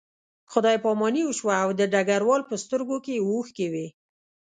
خدای پاماني وشوه او د ډګروال په سترګو کې اوښکې وې